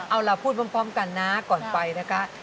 เอาล่ะพูดพร้อมกันนะก่อนไปนะคะ